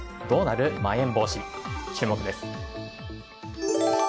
どうなるまん延防止、注目です。